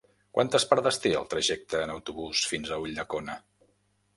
Quantes parades té el trajecte en autobús fins a Ulldecona?